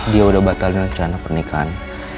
dia udah batalin rencana pernikahan